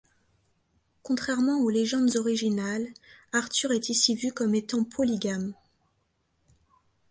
Contrairement aux légendes originales, Arthur est ici vu comme étant polygame.